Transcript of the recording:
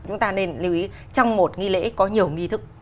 chúng ta nên lưu ý trong một nghi lễ có nhiều nghi thức